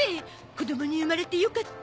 子供に生まれてよかった。